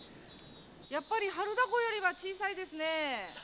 やっぱり榛名湖よりは小さいですね。